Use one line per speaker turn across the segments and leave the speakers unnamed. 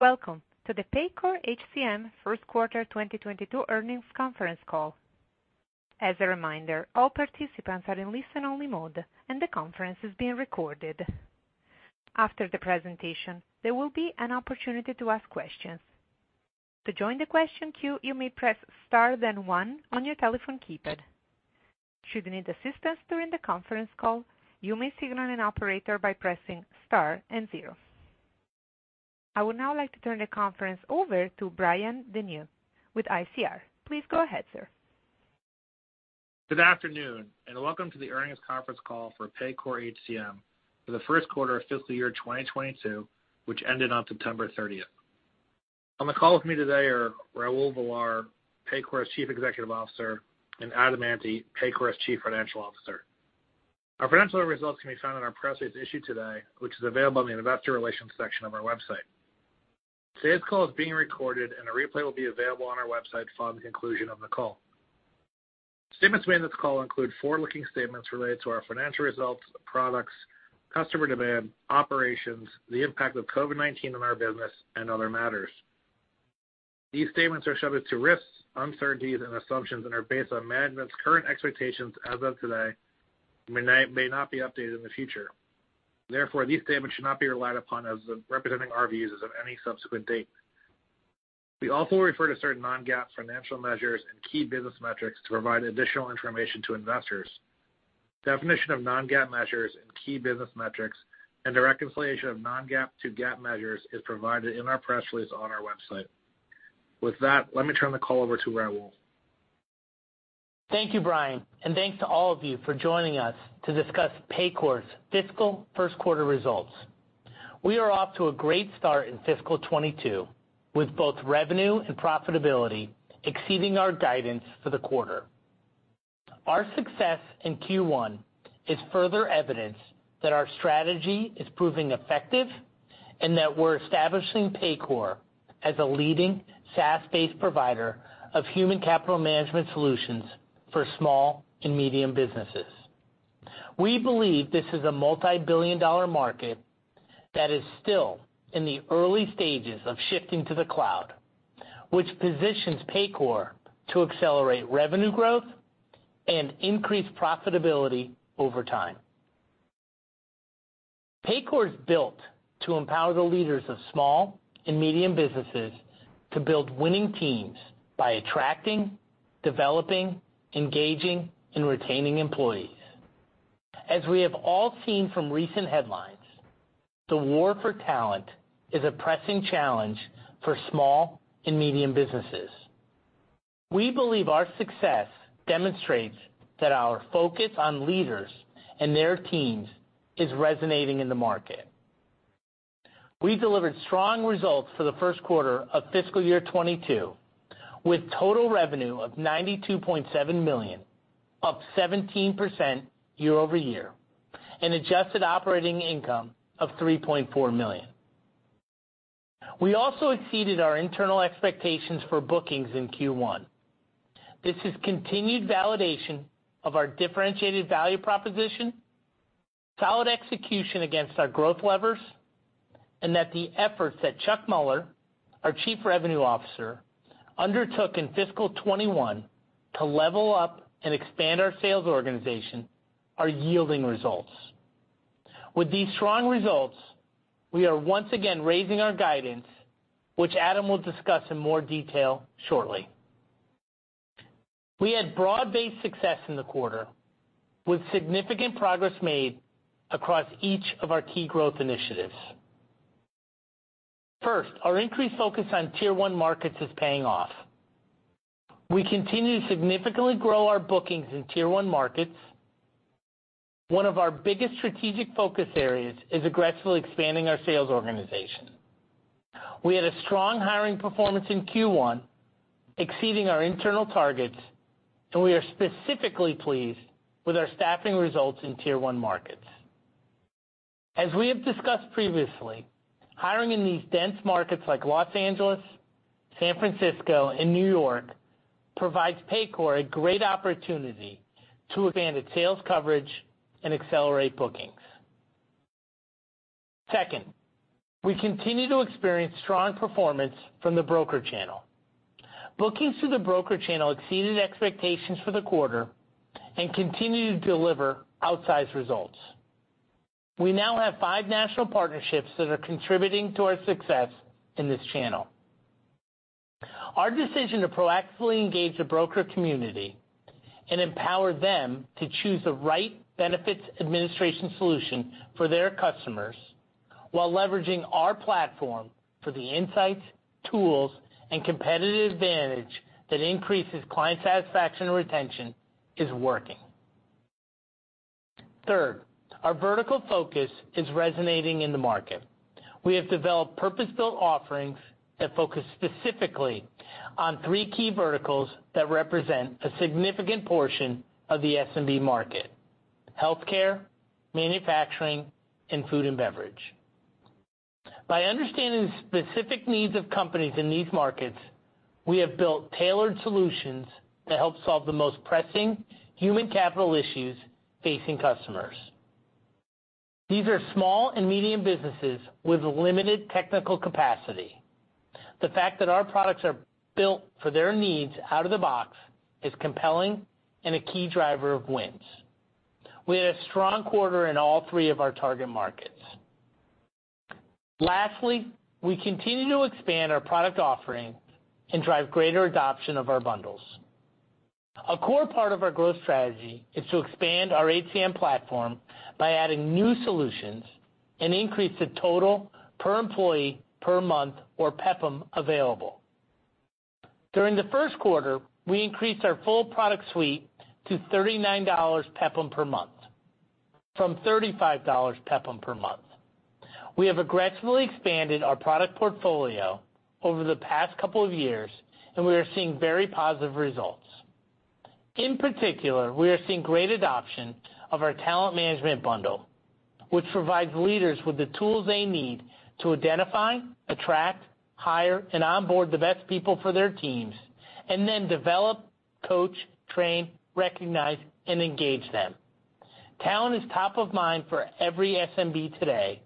Welcome to the Paycor HCM First Quarter 2022 Earnings Conference Call. As a reminder, all participants are in listen-only mode, and the conference is being recorded. After the presentation, there will be an opportunity to ask questions. To join the question queue, you may press star then one on your telephone keypad. Should you need assistance during the conference call, you may signal an operator by pressing star and zero. I would now like to turn the conference over to Brian Denyeau with ICR. Please go ahead, sir.
Good afternoon, and welcome to the Earnings Conference Call for Paycor HCM for the First Quarter of Fiscal Year 2022, which ended on September 30th. On the call with me today are Raul Villar, Paycor's Chief Executive Officer, and Adam Ante, Paycor's Chief Financial Officer. Our financial results can be found in our press release issued today, which is available in the investor relations section of our website. Today's call is being recorded, and a replay will be available on our website following conclusion of the call. Statements made in this call include forward-looking statements related to our financial results, products, customer demand, operations, the impact of COVID-19 on our business, and other matters. These statements are subject to risks, uncertainties, and assumptions and are based on management's current expectations as of today and may not be updated in the future. Therefore, these statements should not be relied upon as representing our views as of any subsequent date. We also refer to certain non-GAAP financial measures and key business metrics to provide additional information to investors. Definition of non-GAAP measures and key business metrics and the reconciliation of non-GAAP to GAAP measures is provided in our press release on our website. With that, let me turn the call over to Raul.
Thank you, Brian, and thanks to all of you for joining us to discuss Paycor's fiscal first quarter results. We are off to a great start in fiscal 2022, with both revenue and profitability exceeding our guidance for the quarter. Our success in Q1 is further evidence that our strategy is proving effective and that we're establishing Paycor as a leading SaaS-based provider of human capital management solutions for small and medium businesses. We believe this is a multi-billion dollar market that is still in the early stages of shifting to the cloud, which positions Paycor to accelerate revenue growth and increase profitability over time. Paycor is built to empower the leaders of small and medium businesses to build winning teams by attracting, developing, engaging, and retaining employees. As we have all seen from recent headlines, the war for talent is a pressing challenge for small and medium businesses. We believe our success demonstrates that our focus on leaders and their teams is resonating in the market. We delivered strong results for the first quarter of FY 2022, with total revenue of $92.7 million, up 17% year-over-year, and adjusted operating income of $3.4 million. We also exceeded our internal expectations for bookings in Q1. This is continued validation of our differentiated value proposition, solid execution against our growth levers, and that the efforts that Chuck Mueller, our Chief Revenue Officer, undertook in fiscal 2021 to level up and expand our sales organization are yielding results. With these strong results, we are once again raising our guidance, which Adam will discuss in more detail shortly. We had broad-based success in the quarter, with significant progress made across each of our key growth initiatives. First, our increased focus on Tier 1 markets is paying off. We continue to significantly grow our bookings in Tier 1 markets. One of our biggest strategic focus areas is aggressively expanding our sales organization. We had a strong hiring performance in Q1, exceeding our internal targets, and we are specifically pleased with our staffing results in Tier 1 markets. As we have discussed previously, hiring in these dense markets like Los Angeles, San Francisco, and New York provides Paycor a great opportunity to expand its sales coverage and accelerate bookings. Second, we continue to experience strong performance from the broker channel. Bookings through the broker channel exceeded expectations for the quarter and continue to deliver outsized results. We now have five national partnerships that are contributing to our success in this channel. Our decision to proactively engage the broker community and empower them to choose the right benefits administration solution for their customers while leveraging our platform for the insights, tools, and competitive advantage that increases client satisfaction retention is working. Third, our vertical focus is resonating in the market. We have developed purpose-built offerings that focus specifically on three key verticals that represent a significant portion of the SMB market, healthcare, manufacturing, and food and beverage. By understanding the specific needs of companies in these markets, we have built tailored solutions that help solve the most pressing human capital issues facing customers. These are small and medium businesses with limited technical capacity. The fact that our products are built for their needs out of the box is compelling and a key driver of wins. We had a strong quarter in all three of our target markets. Lastly, we continue to expand our product offering and drive greater adoption of our bundles. A core part of our growth strategy is to expand our HCM platform by adding new solutions and increase the total per employee per month, or PEPM, available. During the first quarter, we increased our full product suite to $39 PEPM per month, from $35 PEPM per month. We have aggressively expanded our product portfolio over the past couple of years, and we are seeing very positive results. In particular, we are seeing great adoption of our talent management bundle, which provides leaders with the tools they need to identify, attract, hire, and onboard the best people for their teams, and then develop, coach, train, recognize, and engage them. Talent is top of mind for every SMB today,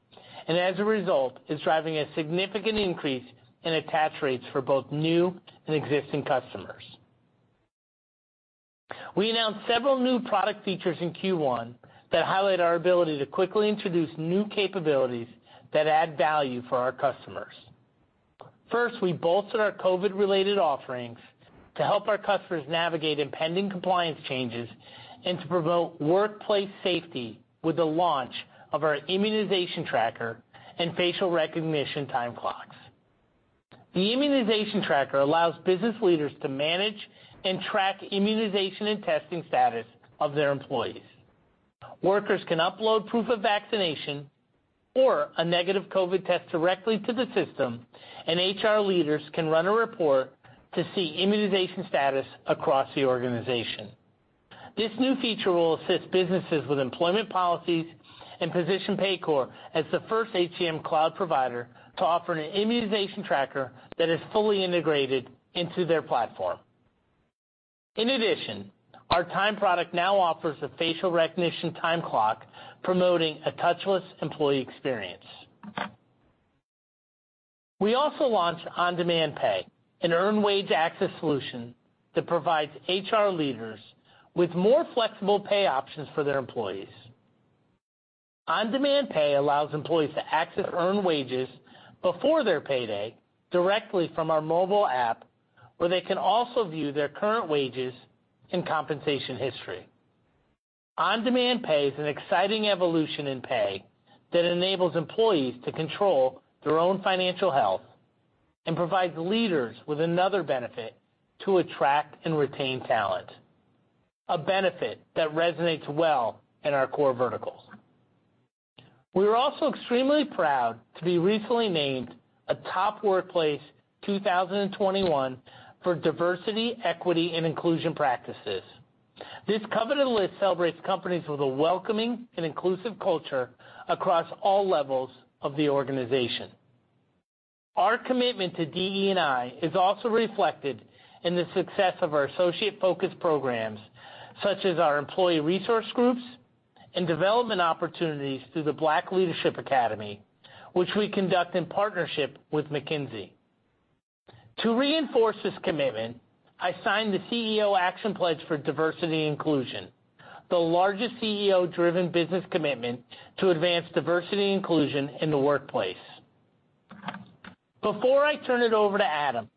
and as a result, is driving a significant increase in attach rates for both new and existing customers. We announced several new product features in Q1 that highlight our ability to quickly introduce new capabilities that add value for our customers. First, we bolstered our COVID-related offerings to help our customers navigate impending compliance changes and to promote workplace safety with the launch of our immunization tracker and facial recognition time clocks. The immunization tracker allows business leaders to manage and track immunization and testing status of their employees. Workers can upload proof of vaccination or a negative COVID test directly to the system, and HR leaders can run a report to see immunization status across the organization. This new feature will assist businesses with employment policies and position Paycor as the first HCM cloud provider to offer an immunization tracker that is fully integrated into their platform. In addition, our time product now offers a facial recognition time clock promoting a touchless employee experience. We also launched OnDemand Pay, an earned wage access solution that provides HR leaders with more flexible pay options for their employees. OnDemand Pay allows employees to access earned wages before their pay day directly from our mobile app, where they can also view their current wages and compensation history. OnDemand Pay is an exciting evolution in pay that enables employees to control their own financial health and provides leaders with another benefit to attract and retain talent, a benefit that resonates well in our core verticals. We are also extremely proud to be recently named a Top Workplaces 2021 for diversity, equity, and inclusion practices. This coveted list celebrates companies with a welcoming and inclusive culture across all levels of the organization. Our commitment to DE&I is also reflected in the success of our associate-focused programs, such as our employee resource groups and development opportunities through the Black Leadership Academy, which we conduct in partnership with McKinsey. To reinforce this commitment, I signed the CEO Action Pledge for Diversity and Inclusion, the largest CEO-driven business commitment to advance diversity and inclusion in the workplace. Before I turn it over to Adam,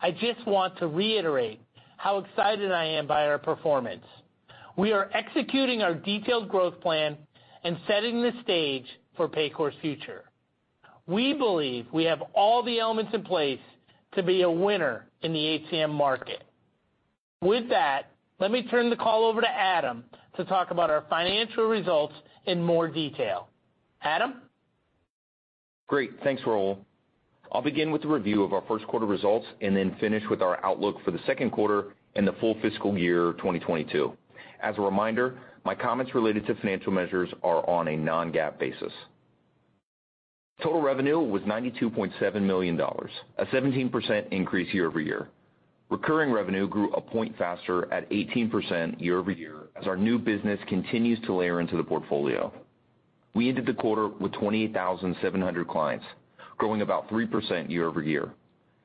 I just want to reiterate how excited I am by our performance. We are executing our detailed growth plan and setting the stage for Paycor's future. We believe we have all the elements in place to be a winner in the HCM market. With that, let me turn the call over to Adam to talk about our financial results in more detail. Adam?
Great. Thanks, Raul. I'll begin with a review of our first quarter results and then finish with our outlook for the second quarter and the full fiscal year 2022. As a reminder, my comments related to financial measures are on a non-GAAP basis. Total revenue was $92.7 million, a 17% increase year-over-year. Recurring revenue grew a point faster at 18% year-over-year as our new business continues to layer into the portfolio. We ended the quarter with 28,700 clients, growing about 3% year-over-year.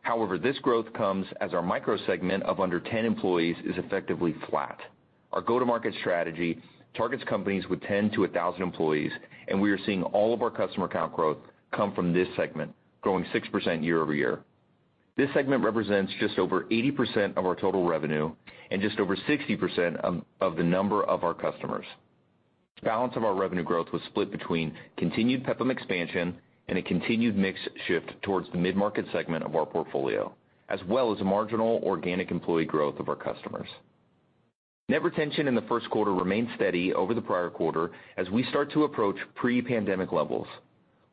However, this growth comes as our micro segment of under 10 employees is effectively flat. Our go-to-market strategy targets companies with 10-1,000 employees, and we are seeing all of our customer count growth come from this segment, growing 6% year-over-year. This segment represents just over 80% of our total revenue and just over 60% of the number of our customers. Balance of our revenue growth was split between continued PEPM expansion and a continued mix shift towards the mid-market segment of our portfolio, as well as marginal organic employee growth of our customers. Net retention in the first quarter remained steady over the prior quarter as we start to approach pre-pandemic levels.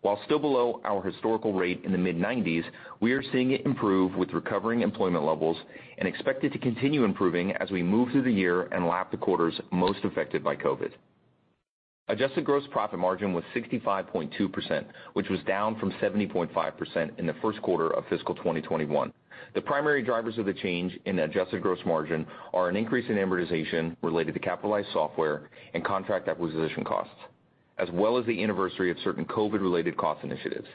While still below our historical rate in the mid-90s, we are seeing it improve with recovering employment levels and expect it to continue improving as we move through the year and lap the quarters most affected by COVID. Adjusted gross profit margin was 65.2%, which was down from 70.5% in the first quarter of fiscal 2021. The primary drivers of the change in adjusted gross margin are an increase in amortization related to capitalized software and contract acquisition costs, as well as the anniversary of certain COVID-related cost initiatives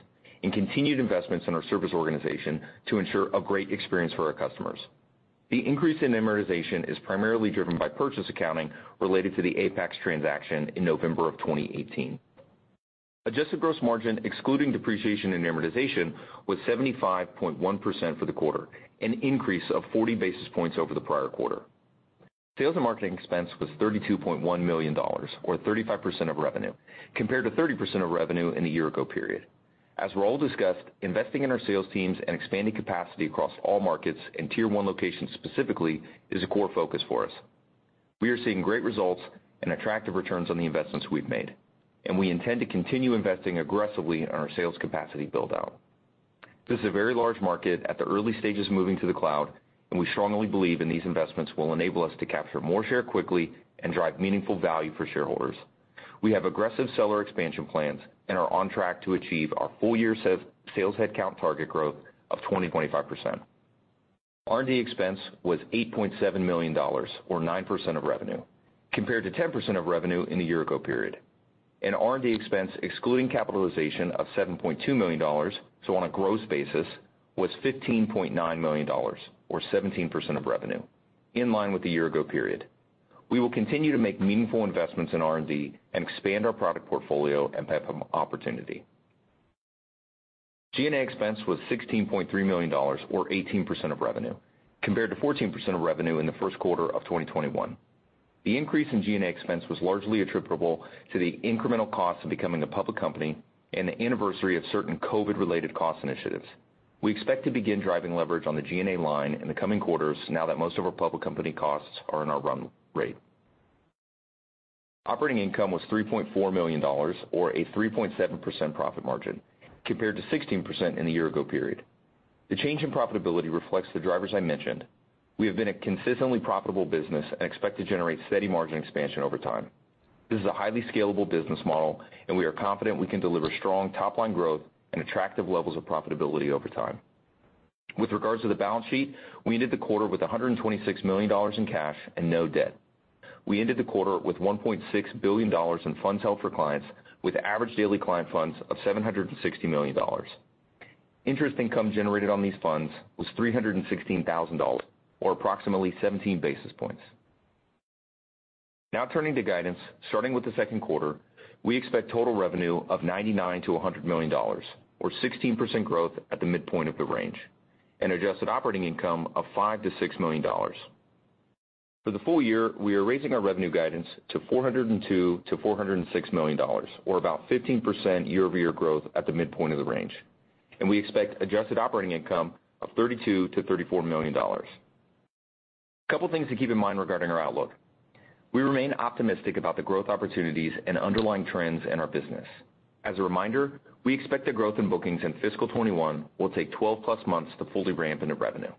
and continued investments in our service organization to ensure a great experience for our customers. The increase in amortization is primarily driven by purchase accounting related to the Apax transaction in November 2018. Adjusted gross margin excluding depreciation and amortization was 75.1% for the quarter, an increase of 40 basis points over the prior quarter. Sales and marketing expense was $32.1 million or 35% of revenue, compared to 30% of revenue in the year ago period. As Raul discussed, investing in our sales teams and expanding capacity across all markets and Tier 1 locations specifically is a core focus for us. We are seeing great results and attractive returns on the investments we've made, and we intend to continue investing aggressively in our sales capacity build-out. This is a very large market at the early stages moving to the cloud, and we strongly believe in these investments will enable us to capture more share quickly and drive meaningful value for shareholders. We have aggressive seller expansion plans and are on track to achieve our full year sales headcount target growth of 20%-25%. R&D expense was $8.7 million or 9% of revenue, compared to 10% of revenue in the year-ago period. R&D expense excluding capitalization of $7.2 million, so on a gross basis was $15.9 million or 17% of revenue, in line with the year-ago period. We will continue to make meaningful investments in R&D and expand our product portfolio and path of opportunity. G&A expense was $16.3 million or 18% of revenue, compared to 14% of revenue in the first quarter of 2021. The increase in G&A expense was largely attributable to the incremental cost of becoming a public company and the anniversary of certain COVID-related cost initiatives. We expect to begin driving leverage on the G&A line in the coming quarters now that most of our public company costs are in our run rate. Operating income was $3.4 million or a 3.7% profit margin, compared to 16% in the year ago period. The change in profitability reflects the drivers I mentioned. We have been a consistently profitable business and expect to generate steady margin expansion over time. This is a highly scalable business model, and we are confident we can deliver strong top-line growth and attractive levels of profitability over time. With regards to the balance sheet, we ended the quarter with $126 million in cash and no debt. We ended the quarter with $1.6 billion in funds held for clients with average daily client funds of $760 million. Interest income generated on these funds was $316,000 or approximately 17 basis points. Now turning to guidance. Starting with the second quarter, we expect total revenue of $99 million-$100 million or 16% growth at the midpoint of the range, and adjusted operating income of $5 million-$6 million. For the full year, we are raising our revenue guidance to $402 million-$406 million or about 15% year-over-year growth at the midpoint of the range, and we expect adjusted operating income of $32 million-$34 million. A couple things to keep in mind regarding our outlook. We remain optimistic about the growth opportunities and underlying trends in our business. As a reminder, we expect the growth in bookings in FY 2021 will take 12+ months to fully ramp into revenue.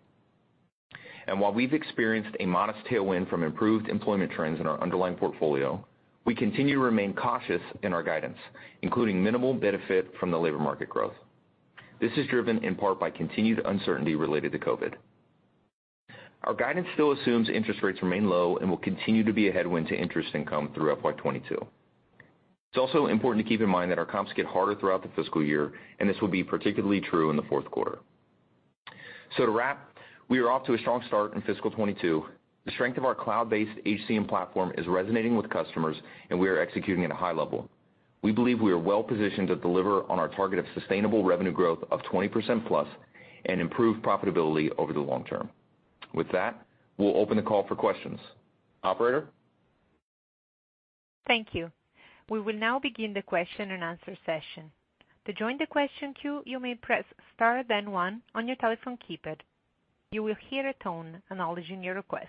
While we've experienced a modest tailwind from improved employment trends in our underlying portfolio, we continue to remain cautious in our guidance, including minimal benefit from the labor market growth. This is driven in part by continued uncertainty related to COVID. Our guidance still assumes interest rates remain low and will continue to be a headwind to interest income through FY 2022. It's also important to keep in mind that our comps get harder throughout the fiscal year, and this will be particularly true in the fourth quarter. To wrap, we are off to a strong start in fiscal 2022. The strength of our cloud-based HCM platform is resonating with customers, and we are executing at a high level. We believe we are well-positioned to deliver on our target of sustainable revenue growth of 20%+ and improve profitability over the long term. With that, we'll open the call for questions. Operator?
Thank you. We will now begin the question and answer session. To join the question queue, you may press star then one on your telephone keypad. You will hear a tone acknowledging your request.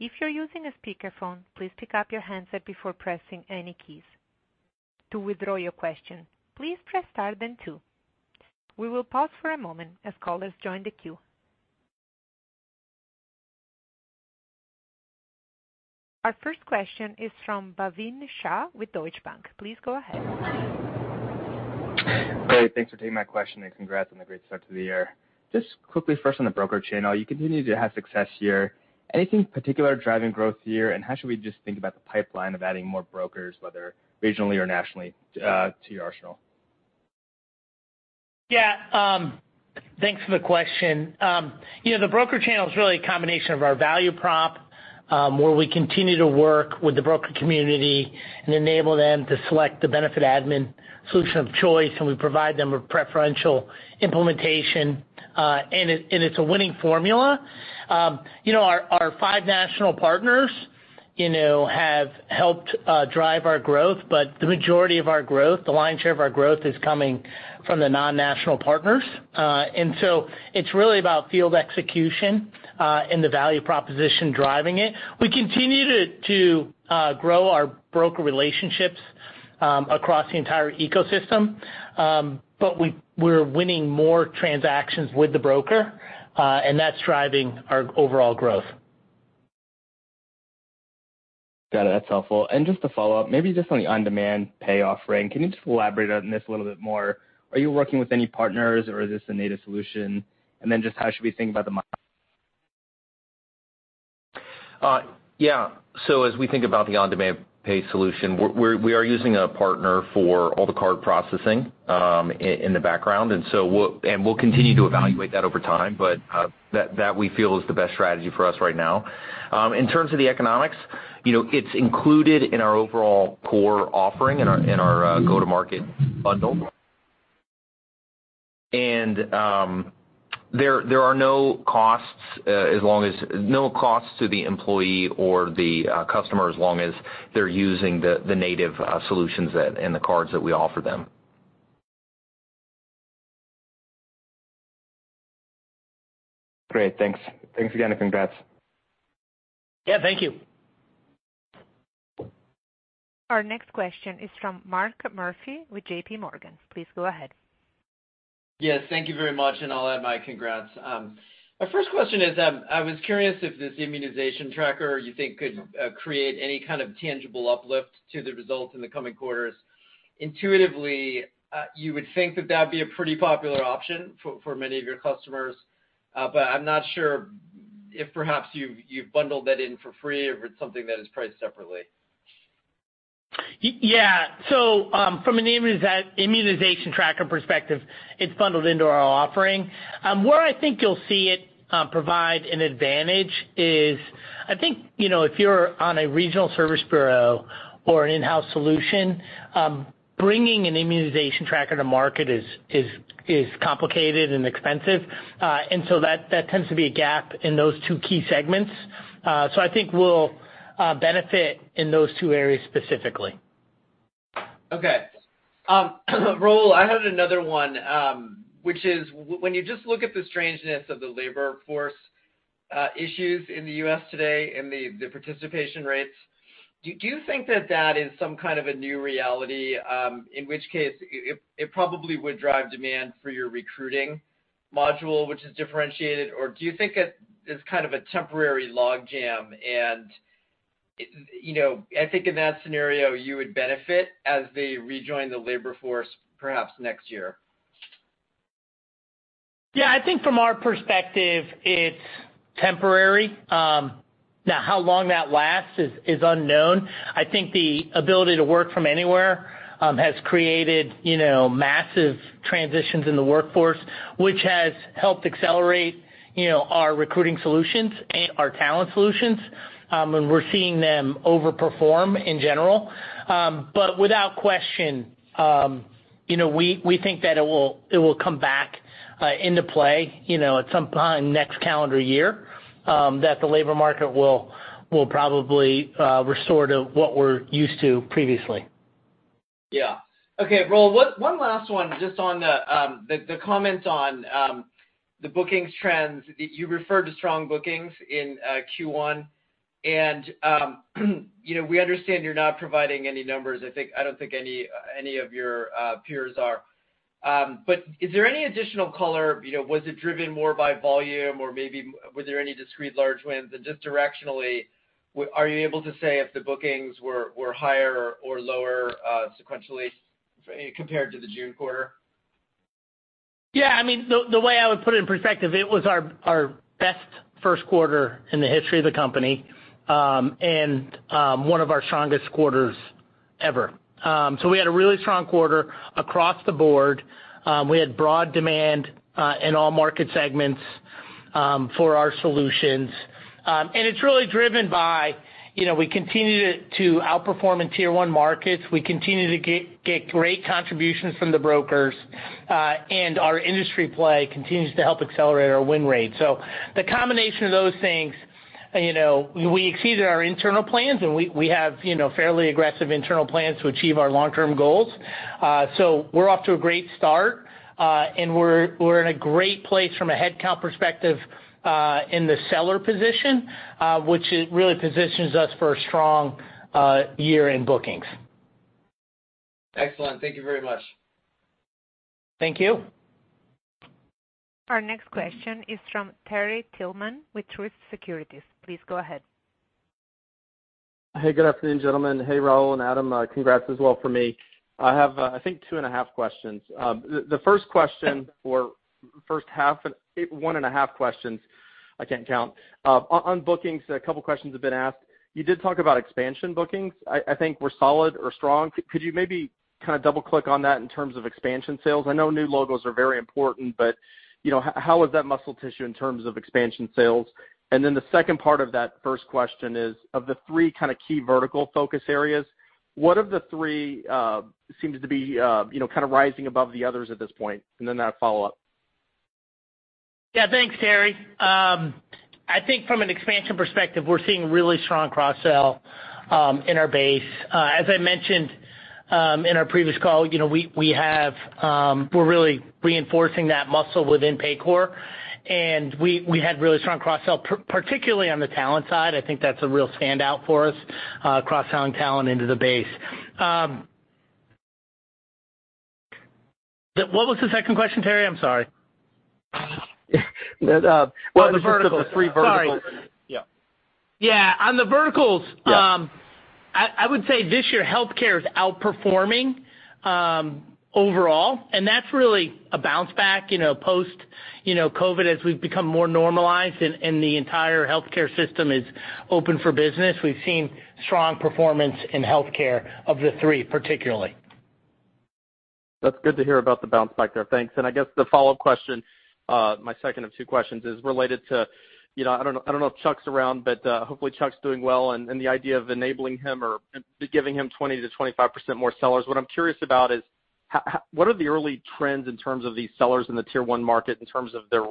If you're using a speakerphone, please pick up your handset before pressing any keys. To withdraw your question, please press star then two. We will pause for a moment as callers join the queue. Our first question is from Bhavin Shah with Deutsche Bank. Please go ahead.
Great. Thanks for taking my question, and congrats on the great start to the year. Just quickly, first on the broker channel. You continue to have success here. Anything particular driving growth here, and how should we just think about the pipeline of adding more brokers, whether regionally or nationally, to your arsenal?
Yeah, thanks for the question. You know, the broker channel is really a combination of our value prop, where we continue to work with the broker community and enable them to select the benefit admin solution of choice, and we provide them a preferential implementation, and it's a winning formula. You know, our five national partners have helped drive our growth, but the majority of our growth, the lion's share of our growth, is coming from the non-national partners. It's really about field execution and the value proposition driving it. We continue to grow our broker relationships across the entire ecosystem. We're winning more transactions with the broker, and that's driving our overall growth.
Got it. That's helpful. Just to follow up, maybe just on the OnDemand Pay offering, can you just elaborate on this a little bit more? Are you working with any partners or is this a native solution? Just how should we think about the mon-
Yeah. As we think about the OnDemand Pay solution, we are using a partner for all the card processing in the background. We'll continue to evaluate that over time, but that we feel is the best strategy for us right now. In terms of the economics, you know, it's included in our overall core offering in our go-to-market bundle. There are no costs to the employee or the customer as long as they're using the native solutions that and the cards that we offer them.
Great. Thanks. Thanks again, and congrats.
Yeah, thank you.
Our next question is from Mark Murphy with JP Morgan. Please go ahead.
Yes, thank you very much, and I'll add my congrats. My first question is, I was curious if this immunization tracker you think could create any kind of tangible uplift to the results in the coming quarters. Intuitively, you would think that that'd be a pretty popular option for many of your customers. I'm not sure if perhaps you've bundled that in for free or if it's something that is priced separately.
Yeah. From an immunization tracker perspective, it's bundled into our offering. Where I think you'll see it provide an advantage is I think, you know, if you're on a regional service bureau or an in-house solution, bringing an immunization tracker to market is complicated and expensive. That tends to be a gap in those two key segments. I think we'll benefit in those two areas specifically.
Okay. Raul, I had another one, which is when you just look at the strangeness of the labor force issues in the U.S. today and the participation rates, do you think that is some kind of a new reality, in which case it probably would drive demand for your recruiting module, which is differentiated? Or do you think it is kind of a temporary log jam and, you know, I think in that scenario, you would benefit as they rejoin the labor force perhaps next year?
Yeah, I think from our perspective, it's temporary. Now how long that lasts is unknown. I think the ability to work from anywhere has created, you know, massive transitions in the workforce, which has helped accelerate, you know, our recruiting solutions and our talent solutions. We're seeing them overperform in general. Without question, you know, we think that it will come back into play, you know, at some time next calendar year, that the labor market will probably restore to what we're used to previously.
Yeah. Okay, Raul, one last one just on the comments on the bookings trends. You referred to strong bookings in Q1 and, you know, we understand you're not providing any numbers. I don't think any of your peers are. But is there any additional color? You know, was it driven more by volume or maybe were there any discrete large wins? Just directionally, are you able to say if the bookings were higher or lower sequentially compared to the June quarter?
Yeah. I mean, the way I would put it in perspective, it was our best first quarter in the history of the company, and one of our strongest quarters ever. We had a really strong quarter across the board. We had broad demand in all market segments for our solutions. And it's really driven by, you know, we continue to outperform in Tier 1 markets. We continue to get great contributions from the brokers, and our industry play continues to help accelerate our win rate. The combination of those things, you know, we exceeded our internal plans, and we have, you know, fairly aggressive internal plans to achieve our long-term goals. We're off to a great start, and we're in a great place from a headcount perspective, in the seller position, which it really positions us for a strong year in bookings.
Excellent. Thank you very much.
Thank you.
Our next question is from Terry Tillman with Truist Securities. Please go ahead.
Hey, good afternoon, gentlemen. Hey, Raul and Adam. Congrats as well from me. I have, I think, two and a half questions. The first question, first half, one and a half questions. I can't count. On bookings, a couple of questions have been asked. You did talk about expansion bookings. I think they were solid or strong. Could you maybe kind of double-click on that in terms of expansion sales? I know new logos are very important, but you know, how is that muscle tissue in terms of expansion sales? The second part of that first question is, of the three kind of key vertical focus areas, which of the three seems to be you know kind of rising above the others at this point? I have follow-up.
Yeah, thanks, Terry. I think from an expansion perspective, we're seeing really strong cross-sell in our base. As I mentioned in our previous call, you know, we're really reinforcing that muscle within Paycor, and we had really strong cross-sell, particularly on the talent side. I think that's a real standout for us, cross-selling talent into the base. What was the second question, Terry? I'm sorry.
The, uh-
Oh, the verticals.
Of the three verticals.
Sorry.
Yeah.
Yeah. On the verticals.
Yeah
I would say this year healthcare is outperforming overall, and that's really a bounce back, you know, post, you know, COVID, as we've become more normalized and the entire healthcare system is open for business. We've seen strong performance in healthcare of the three, particularly.
That's good to hear about the bounce back there. Thanks. I guess the follow-up question, my second of two questions is related to, you know, I don't know if Chuck's around, but, hopefully Chuck's doing well and the idea of enabling him or giving him 20%-25% more sellers. What I'm curious about is what are the early trends in terms of these sellers in the Tier 1 market in terms of their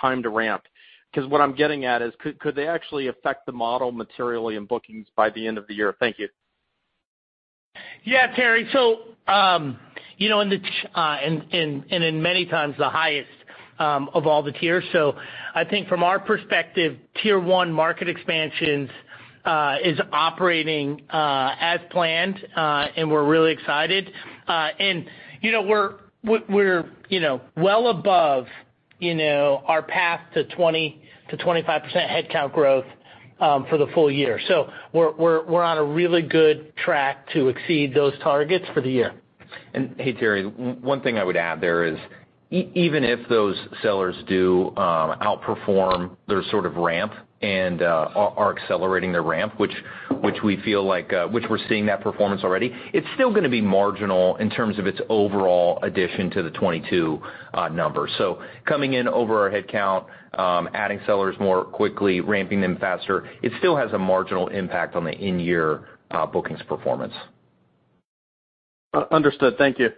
time to ramp? 'Cause what I'm getting at is could they actually affect the model materially in bookings by the end of the year? Thank you.
Yeah, Terry. You know, in many times the highest of all the tiers. I think from our perspective, Tier 1 market expansions is operating as planned, and we're really excited. You know, we're, you know, well above, you know, our path to 20%-25% headcount growth for the full year. We're on a really good track to exceed those targets for the year.
Hey, Terry, one thing I would add there is even if those sellers do outperform their sort of ramp and are accelerating their ramp, which we feel like we're seeing that performance already, it's still gonna be marginal in terms of its overall addition to the 22 number. Coming in over our headcount, adding sellers more quickly, ramping them faster, it still has a marginal impact on the in-year bookings performance.
Understood. Thank you.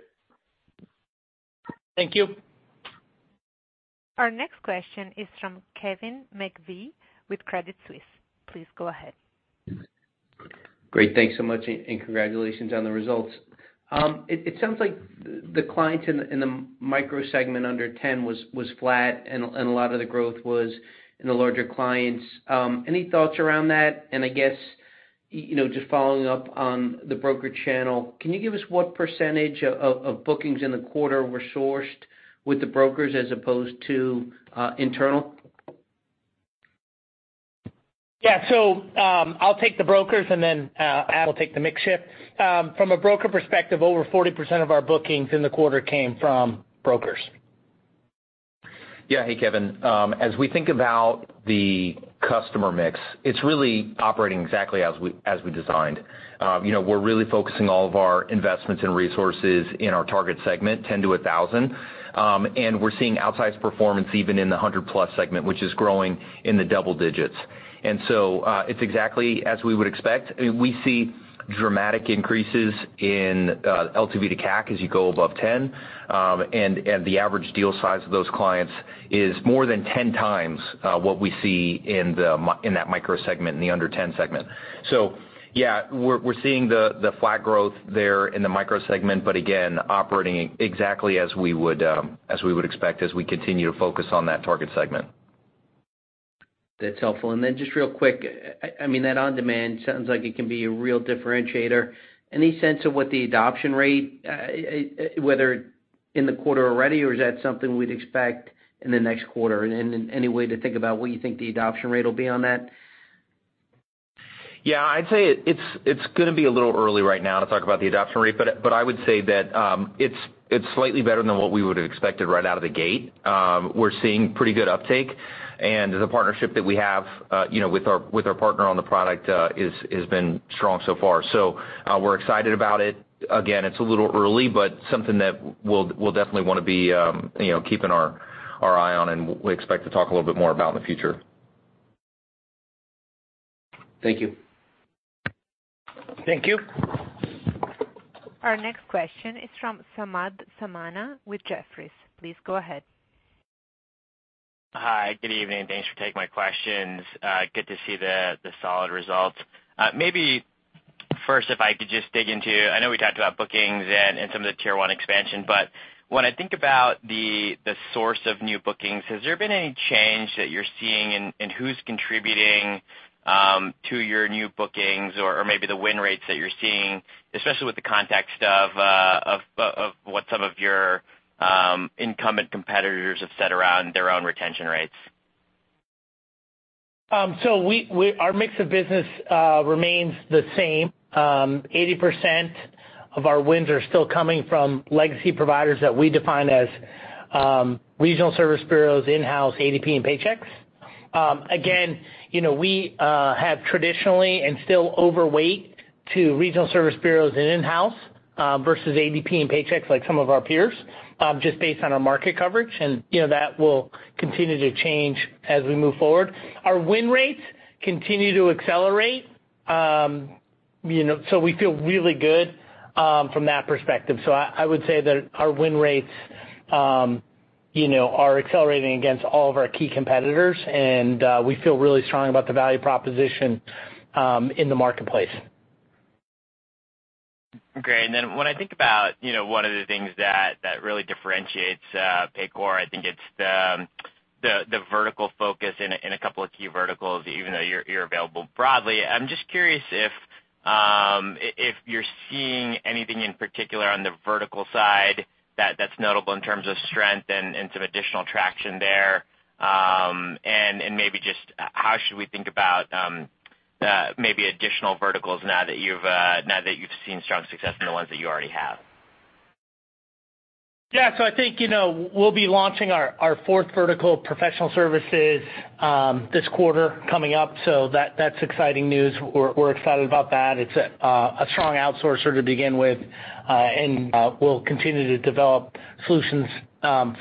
Thank you.
Our next question is from Kevin McVeigh with Credit Suisse. Please go ahead.
Great. Thanks so much and congratulations on the results. It sounds like the clients in the micro segment under 10 was flat and a lot of the growth was in the larger clients. Any thoughts around that? I guess just following up on the broker channel, can you give us what percentage of bookings in the quarter were sourced with the brokers as opposed to internal?
Yeah. I'll take the brokers and then, Adam will take the mix shift. From a broker perspective, over 40% of our bookings in the quarter came from brokers.
Yeah. Hey, Kevin. As we think about the customer mix, it's really operating exactly as we designed. You know, we're really focusing all of our investments and resources in our target segment, 10-1,000, and we're seeing outsized performance even in the 100+ segment, which is growing in the double digits. It's exactly as we would expect. We see dramatic increases in LTV to CAC as you go above 10, and the average deal size of those clients is more than 10x what we see in the micro segment, in the under 10 segment. Yeah, we're seeing the flat growth there in the micro segment, but again, operating exactly as we would expect as we continue to focus on that target segment.
That's helpful. Then just real quick, I mean, that on-demand sounds like it can be a real differentiator. Any sense of what the adoption rate, whether in the quarter already or is that something we'd expect in the next quarter? Any way to think about what you think the adoption rate will be on that?
Yeah, I'd say it's gonna be a little early right now to talk about the adoption rate, but I would say that it's slightly better than what we would have expected right out of the gate. We're seeing pretty good uptake, and the partnership that we have, you know, with our partner on the product, has been strong so far. We're excited about it. Again, it's a little early, but something that we'll definitely wanna be, you know, keeping our eye on and we expect to talk a little bit more about in the future.
Thank you.
Thank you.
Our next question is from Samad Samana with Jefferies. Please go ahead.
Hi, good evening. Thanks for taking my questions. Good to see the solid results. Maybe first, if I could just dig into. I know we talked about bookings and some of the Tier 1 expansion, but when I think about the source of new bookings, has there been any change that you're seeing in who's contributing to your new bookings or maybe the win rates that you're seeing, especially with the context of what some of your incumbent competitors have said around their own retention rates?
Our mix of business remains the same. 80% of our wins are still coming from legacy providers that we define as regional service bureaus, in-house, ADP, and Paychex. Again, we have traditionally and still overweight to regional service bureaus and in-house versus ADP and Paychex like some of our peers just based on our market coverage. That will continue to change as we move forward. Our win rates continue to accelerate, so we feel really good from that perspective. I would say that our win rates are accelerating against all of our key competitors and we feel really strong about the value proposition in the marketplace.
Great. When I think about, you know, one of the things that really differentiates Paycor, I think it's the vertical focus in a couple of key verticals, even though you're available broadly. I'm just curious if you're seeing anything in particular on the vertical side that's notable in terms of strength and some additional traction there. Maybe just how should we think about maybe additional verticals now that you've seen strong success in the ones that you already have?
Yeah. I think, you know, we'll be launching our fourth vertical professional services this quarter coming up. That's exciting news. We're excited about that. It's a strong outsourcer to begin with, and we'll continue to develop solutions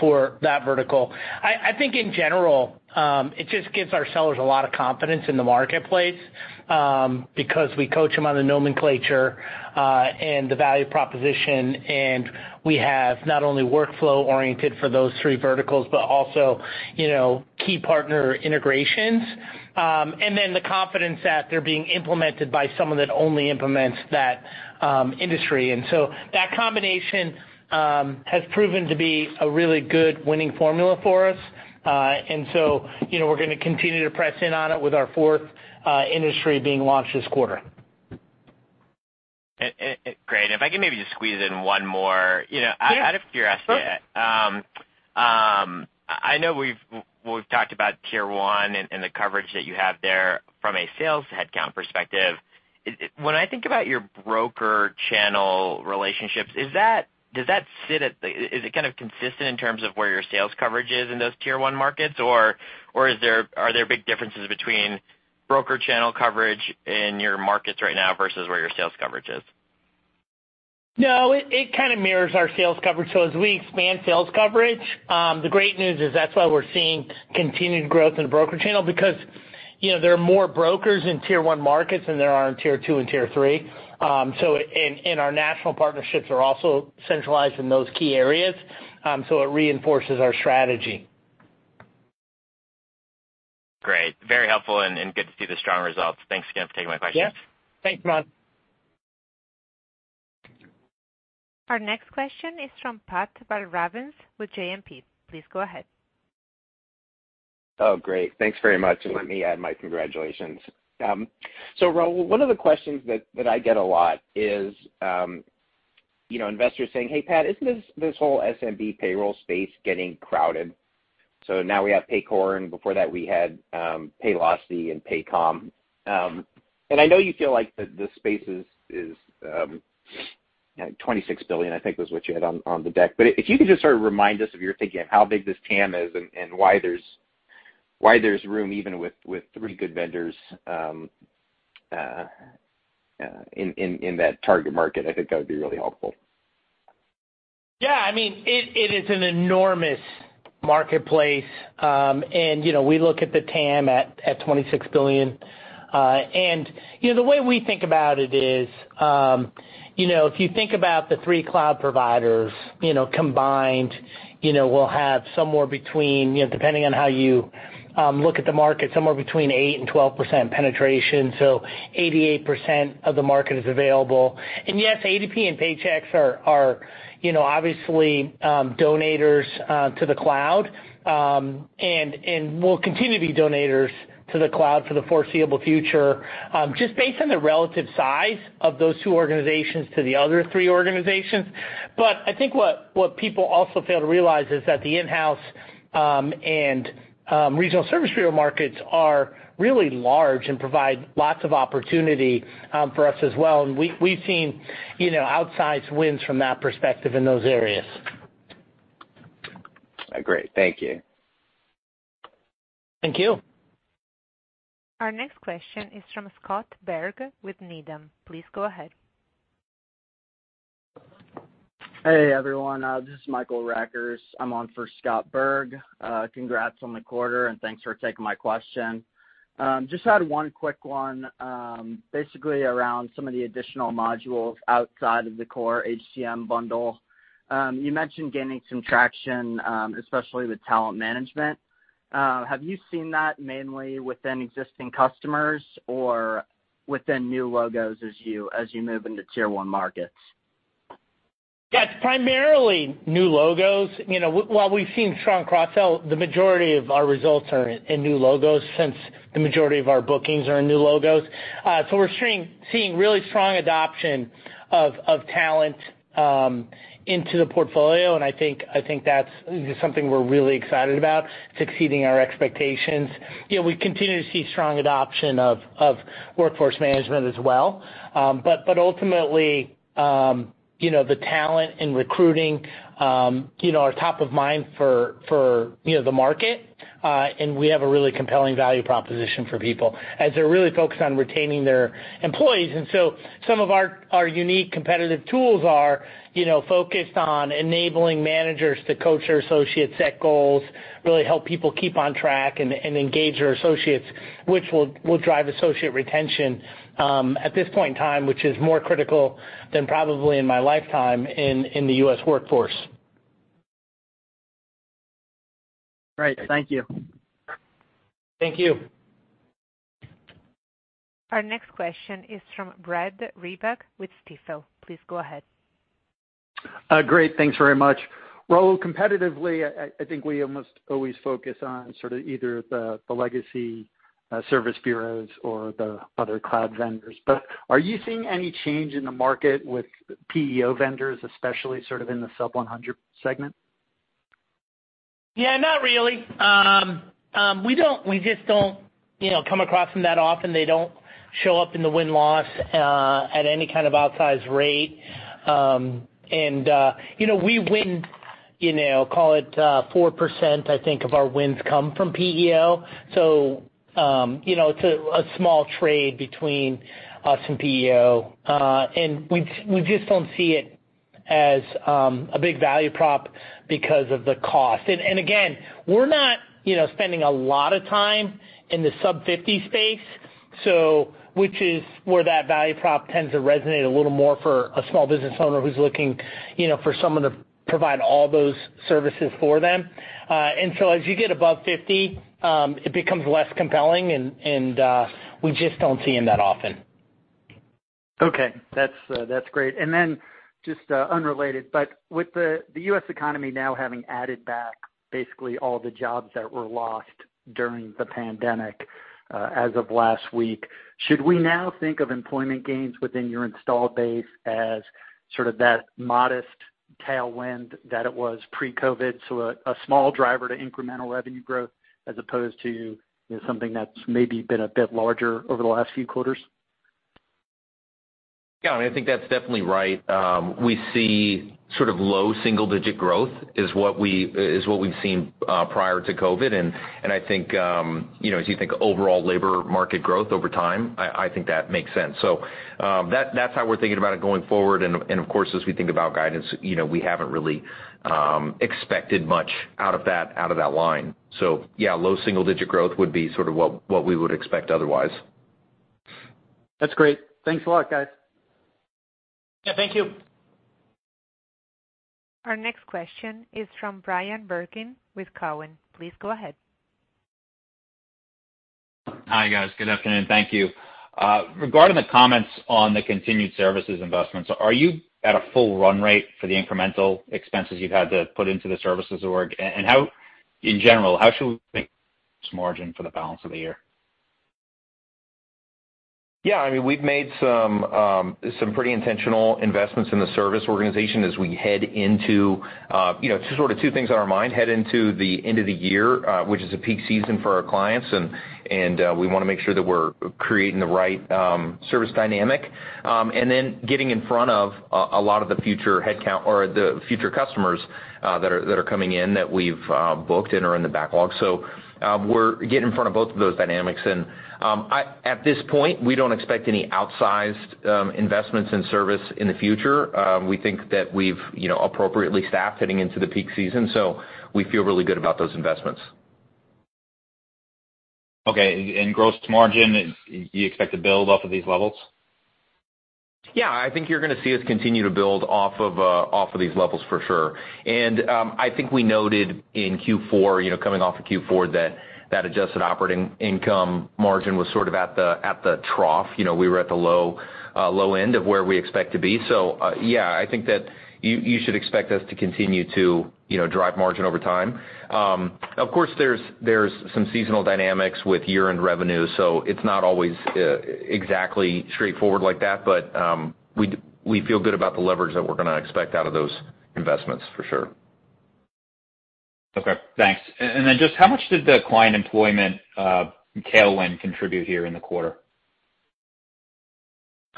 for that vertical. I think in general, it just gives our sellers a lot of confidence in the marketplace, because we coach them on the nomenclature, and the value proposition, and we have not only workflow oriented for those three verticals, but also, you know, key partner integrations. Then the confidence that they're being implemented by someone that only implements that industry. That combination has proven to be a really good winning formula for us. You know, we're gonna continue to press in on it with our fourth industry being launched this quarter.
Great. If I could maybe just squeeze in one more.
Yeah, sure.
Out of curiosity, I know we've talked about Tier 1 and the coverage that you have there from a sales headcount perspective. When I think about your broker channel relationships, is it kind of consistent in terms of where your sales coverage is in those Tier 1 markets, or are there big differences between broker channel coverage in your markets right now versus where your sales coverage is?
No, it kind of mirrors our sales coverage. As we expand sales coverage, the great news is that's why we're seeing continued growth in the broker channel because, you know, there are more brokers in Tier 1 markets than there are in Tier 2 and Tier 3. And our national partnerships are also centralized in those key areas, so it reinforces our strategy.
Great. Very helpful and good to see the strong results. Thanks again for taking my questions.
Yeah. Thanks, Samad.
Our next question is from Pat Walravens with JMP. Please go ahead.
Oh, great. Thanks very much, and let me add my congratulations. Raul, one of the questions that I get a lot is, you know, investors saying, "Hey, Pat, isn't this whole SMB payroll space getting crowded?" Now we have Paycor, and before that, we had Paylocity and Paycom. I know you feel like the space is $26 billion, I think, was what you had on the deck. If you could just sort of remind us of your thinking of how big this TAM is and why there's room even with three good vendors in that target market, I think that would be really helpful.
Yeah. I mean, it is an enormous marketplace. And you know, we look at the TAM at $26 billion. And you know, the way we think about it is, you know, if you think about the three cloud providers, you know, combined, you know, we'll have somewhere between, you know, depending on how you look at the market, somewhere between 8%-12% penetration. So 88% of the market is available. Yes, ADP and Paychex are, you know, obviously, donors to the cloud, and will continue to be donors to the cloud for the foreseeable future, just based on the relative size of those two organizations to the other three organizations. I think what people also fail to realize is that the in-house and regional service bureau markets are really large and provide lots of opportunity for us as well. We’ve seen, you know, outsized wins from that perspective in those areas.
Great. Thank you.
Thank you.
Our next question is from Scott Berg with Needham. Please go ahead.
Hey, everyone. This is Michael Rackers. I'm on for Scott Berg. Congrats on the quarter, and thanks for taking my question. Just had one quick one, basically around some of the additional modules outside of the core HCM bundle. You mentioned gaining some traction, especially with talent management. Have you seen that mainly within existing customers or within new logos as you move into Tier 1 markets?
Yes, primarily new logos. You know, while we've seen strong cross-sell, the majority of our results are in new logos since the majority of our bookings are in new logos. So we're seeing really strong adoption of talent into the portfolio, and I think that's something we're really excited about, it's exceeding our expectations. You know, we continue to see strong adoption of workforce management as well. But ultimately, you know, the talent and recruiting are top of mind for the market, and we have a really compelling value proposition for people as they're really focused on retaining their employees. Some of our unique competitive tools are, you know, focused on enabling managers to coach their associates, set goals, really help people keep on track and engage their associates, which will drive associate retention at this point in time, which is more critical than probably in my lifetime in the U.S. workforce.
Great. Thank you.
Thank you.
Our next question is from Brad Reback with Stifel. Please go ahead.
Great. Thanks very much. Raul, competitively, I think we almost always focus on sort of either the legacy- Service bureaus or the other cloud vendors. Are you seeing any change in the market with PEO vendors, especially sort of in the sub-100 segment?
Yeah, not really. We just don't, you know, come across them that often. They don't show up in the win-loss at any kind of outsized rate. You know, we win, you know, call it 4%, I think, of our wins come from PEO. You know, it's a small trade between us and PEO. We just don't see it as a big value prop because of the cost. Again, we're not, you know, spending a lot of time in the sub-50 space, which is where that value prop tends to resonate a little more for a small business owner who's looking, you know, for someone to provide all those services for them. As you get above 50, it becomes less compelling and we just don't see 'em that often.
Okay. That's great. Then just unrelated, but with the U.S. economy now having added back basically all the jobs that were lost during the pandemic, as of last week, should we now think of employment gains within your installed base as sort of that modest tailwind that it was pre-COVID, so a small driver to incremental revenue growth as opposed to, you know, something that's maybe been a bit larger over the last few quarters?
Yeah, I think that's definitely right. We see sort of low single-digit growth, which is what we've seen prior to COVID. I think, you know, as you think overall labor market growth over time, I think that makes sense. That's how we're thinking about it going forward. Of course, as we think about guidance, you know, we haven't really expected much out of that line. Yeah, low single-digit growth would be sort of what we would expect otherwise.
That's great. Thanks a lot, guys.
Yeah, thank you.
Our next question is from Bryan Bergin with Cowen. Please go ahead.
Hi, guys. Good afternoon. Thank you. Regarding the comments on the continued services investments, are you at a full run rate for the incremental expenses you've had to put into the services org? How in general should we think about this margin for the balance of the year?
Yeah, I mean, we've made some pretty intentional investments in the service organization as we head into, you know, sort of two things on our mind as we head into the end of the year, which is a peak season for our clients, and we wanna make sure that we're creating the right service dynamic, and then getting in front of a lot of the future headcount or the future customers that are coming in that we've booked and are in the backlog. We're getting in front of both of those dynamics. At this point, we don't expect any outsized investments in service in the future. We think that we've, you know, appropriately staffed heading into the peak season, so we feel really good about those investments.
Okay. Gross margin, do you expect to build off of these levels?
Yeah, I think you're gonna see us continue to build off of these levels for sure. I think we noted in Q4, coming off of Q4, that adjusted operating income margin was sort of at the trough. We were at the low end of where we expect to be. I think that you should expect us to continue to drive margin over time. Of course, there's some seasonal dynamics with year-end revenue, so it's not always exactly straightforward like that, but we feel good about the leverage that we're gonna expect out of those investments for sure.
Okay, thanks. Just how much did the client employment tailwind contribute here in the quarter?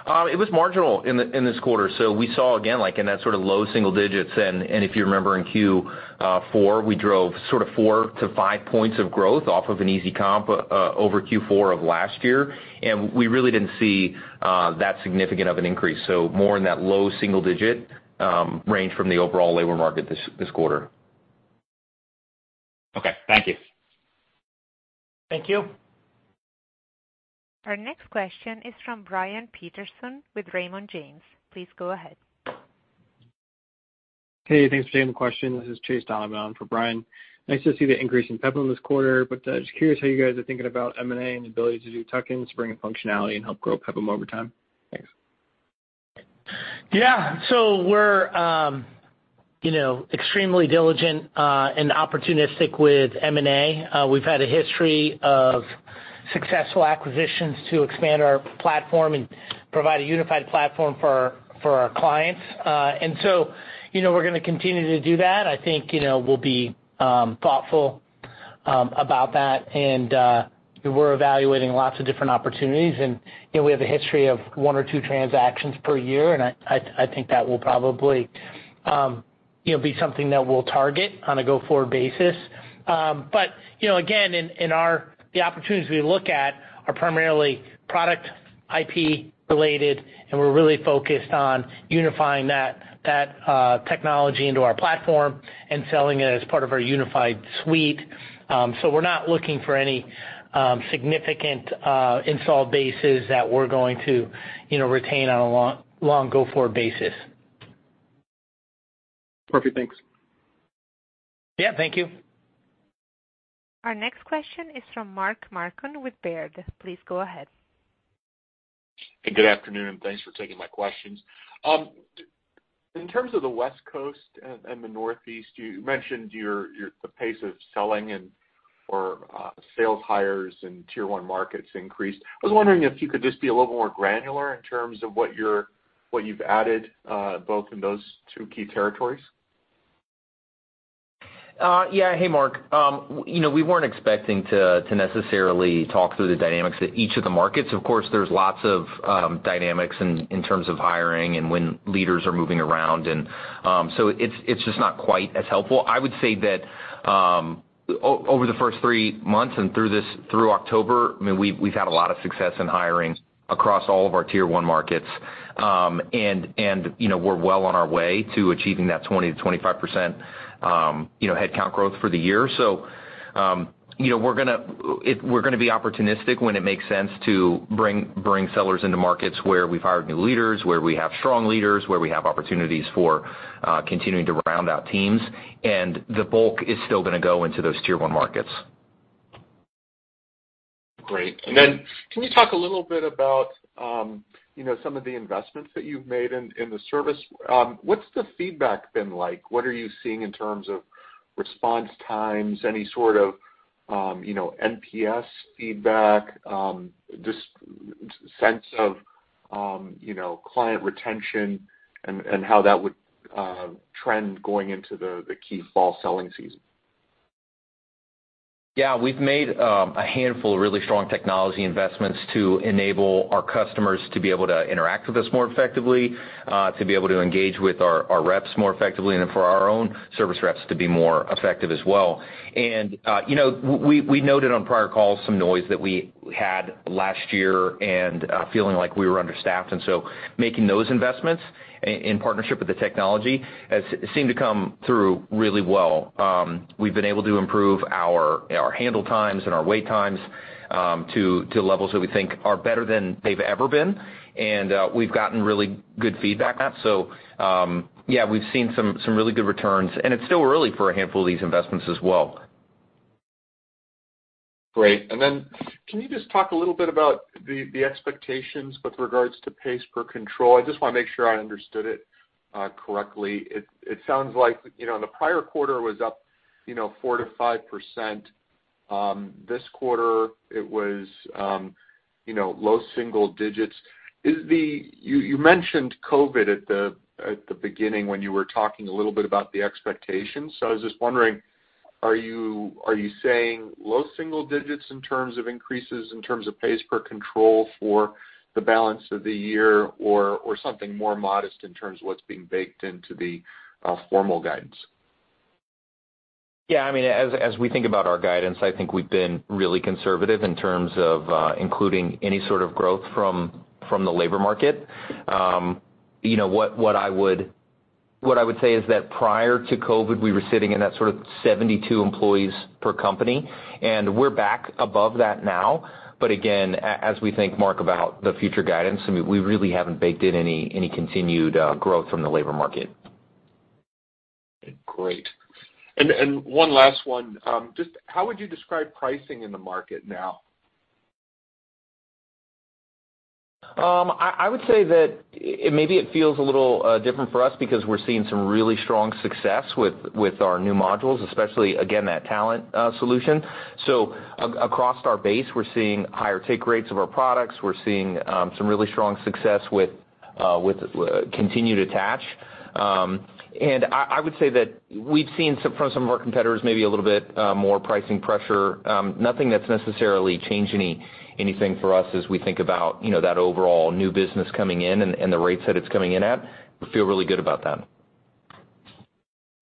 It was marginal in this quarter. We saw, again, like in that sort of low single digits, if you remember in Q4, we drove sort of four to five points of growth off of an easy comp over Q4 of last year. We really didn't see that significant of an increase, so more in that low single-digit range from the overall labor market this quarter.
Okay, thank you.
Thank you.
Our next question is from Brian Peterson with Raymond James. Please go ahead.
Hey, thanks for taking the question. This is Chase Donovan for Brian. Nice to see the increase in PEPM this quarter, but just curious how you guys are thinking about M&A and the ability to do tuck-ins, bring in functionality and help grow PEPM over time. Thanks.
Yeah. We're, you know, extremely diligent and opportunistic with M&A. We've had a history of successful acquisitions to expand our platform and provide a unified platform for our clients. We're gonna continue to do that. I think, you know, we'll be thoughtful about that and we're evaluating lots of different opportunities. You know, we have a history of one or two transactions per year, and I think that will probably, you know, be something that we'll target on a go-forward basis. You know, again, the opportunities we look at are primarily product IP related, and we're really focused on unifying that technology into our platform and selling it as part of our unified suite. We're not looking for any significant installed bases that we're going to, you know, retain on a long go-forward basis.
Perfect. Thanks.
Yeah, thank you.
Our next question is from Mark Marcon with Baird. Please go ahead.
Good afternoon, thanks for taking my questions. In terms of the West Coast and the Northeast, you mentioned the pace of selling and sales hires in Tier 1 markets increased. I was wondering if you could just be a little more granular in terms of what you've added both in those two key territories.
Yeah. Hey, Mark. You know, we weren't expecting to necessarily talk through the dynamics at each of the markets. Of course, there's lots of dynamics in terms of hiring and when leaders are moving around, and so it's just not quite as helpful. I would say that over the first three months and through this, through October, I mean, we've had a lot of success in hiring across all of our Tier 1 markets. And you know, we're well on our way to achieving that 20%-25% headcount growth for the year. You know, we're gonna it... We're gonna be opportunistic when it makes sense to bring sellers into markets where we've hired new leaders, where we have strong leaders, where we have opportunities for continuing to round out teams. The bulk is still gonna go into those Tier 1 markets.
Great. Can you talk a little bit about, you know, some of the investments that you've made in the service? What's the feedback been like? What are you seeing in terms of response times, any sort of, you know, NPS feedback, just sense of, you know, client retention and how that would trend going into the key fall selling season?
Yeah. We've made a handful of really strong technology investments to enable our customers to be able to interact with us more effectively, to be able to engage with our reps more effectively, and then for our own service reps to be more effective as well. You know, we noted on prior calls some noise that we had last year and feeling like we were understaffed. Making those investments in partnership with the technology has seemed to come through really well. We've been able to improve our handle times and our wait times to levels that we think are better than they've ever been. We've gotten really good feedback on that. We've seen some really good returns, and it's still early for a handful of these investments as well.
Great. Can you just talk a little bit about the expectations with regards to PEPM? I just wanna make sure I understood it correctly. It sounds like, you know, in the prior quarter was up, you know, 4%-5%. This quarter it was, you know, low single digits. You mentioned COVID at the beginning when you were talking a little bit about the expectations. I was just wondering, are you saying low single digits in terms of increases, in terms of PEPM for the balance of the year or something more modest in terms of what's being baked into the formal guidance?
Yeah. I mean, as we think about our guidance, I think we've been really conservative in terms of including any sort of growth from the labor market. You know, what I would say is that prior to COVID, we were sitting in that sort of 72 employees per company, and we're back above that now. Again, as we think, Mark, about the future guidance, I mean, we really haven't baked in any continued growth from the labor market.
Great. One last one. Just how would you describe pricing in the market now?
I would say that maybe it feels a little different for us because we're seeing some really strong success with our new modules, especially again, that talent solution. Across our base, we're seeing higher take rates of our products. We're seeing some really strong success with continued attach. I would say that we've seen some from some of our competitors maybe a little bit more pricing pressure. Nothing that's necessarily changed anything for us as we think about, you know, that overall new business coming in and the rates that it's coming in at. We feel really good about that.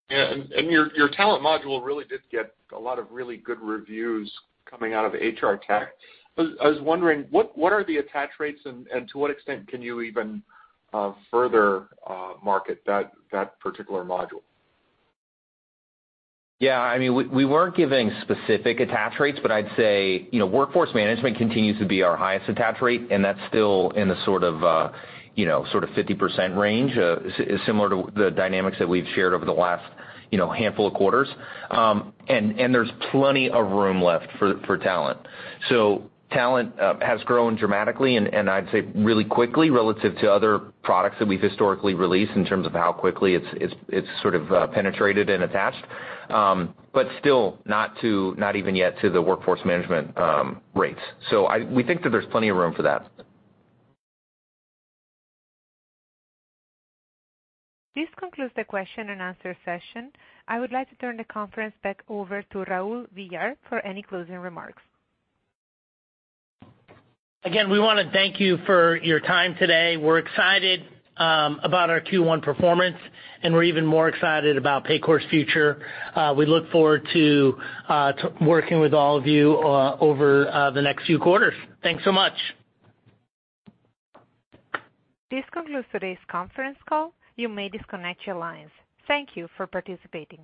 Yeah. Your talent module really did get a lot of really good reviews coming out of HR Tech. I was wondering, what are the attach rates and to what extent can you even further market that particular module?
Yeah. I mean, we weren't giving specific attach rates, but I'd say, you know, workforce management continues to be our highest attach rate, and that's still in the sort of, you know, sort of 50% range. Similar to the dynamics that we've shared over the last, you know, handful of quarters. There's plenty of room left for talent. Talent has grown dramatically and I'd say really quickly relative to other products that we've historically released in terms of how quickly it's penetrated and attached. But still not to, not even yet to the workforce management rates. We think that there's plenty of room for that.
This concludes the question and answer session. I would like to turn the conference back over to Raul Villar for any closing remarks.
Again, we wanna thank you for your time today. We're excited about our Q1 performance, and we're even more excited about Paycor's future. We look forward to working with all of you over the next few quarters. Thanks so much.
This concludes today's conference call. You may disconnect your lines. Thank you for participating.